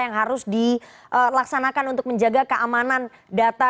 yang harus dilaksanakan untuk menjaga keamanan data